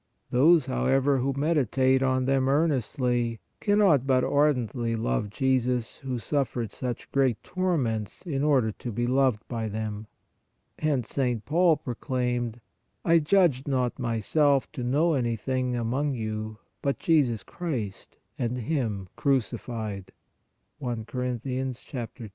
Those, however, who meditate on them earnestly, cannot but ardently love Jesus who suffered such great torments in order to be loved by them. Hence St. Paul proclaimed :" I judged not myself to know anything among you but Jesus Christ and Him crucified " (I Cor.